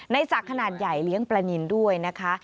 สักขนาดใหญ่เลี้ยงปลานินด้วยนะคะ